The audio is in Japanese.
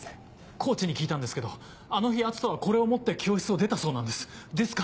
コーチに聞いたんですけどあの日篤斗はこれを持って教室を出たそうなんですですから。